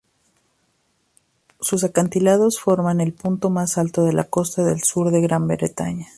Sus acantilados forman el punto más alto de la costa sur de Gran Bretaña.